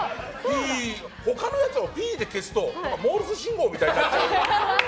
他のやつをピーで消すとモールス信号みたいになって。